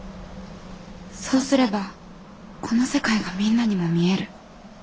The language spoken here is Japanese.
そうすればこの世界がみんなにも見える。